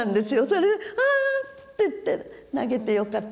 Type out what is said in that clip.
それで「アッ」て言って投げてよかったです。